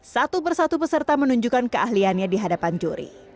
satu persatu peserta menunjukkan keahliannya di hadapan juri